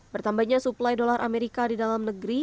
bertambahnya suplai dolar amerika di dalam negeri